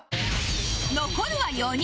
残るは４人